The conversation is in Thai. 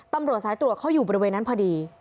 ตำรวจสายตรวจเขาอยู่บริเวณนั้นพอดี